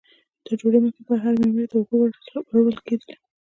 تر ډوډۍ مخکې به هرې مېرمنې ته اوبه ور وړل کېدې.